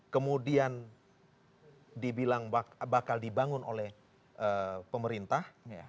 kemudian dibilang bakal dibangun oleh pemerintah